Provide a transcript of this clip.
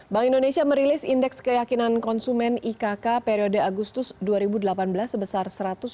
bank indonesia merilis indeks keyakinan konsumen ikk periode agustus dua ribu delapan belas sebesar satu ratus dua puluh